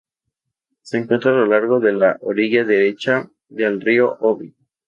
Se encuentra a lo largo de la orilla derecha del río Obi.